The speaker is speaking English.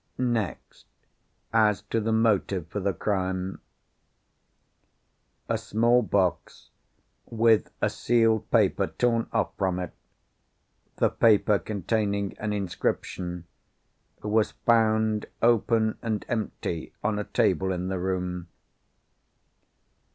Next, as to the motive for the crime. A small box, with a sealed paper torn off from it (the paper containing an inscription) was found open, and empty, on a table in the room.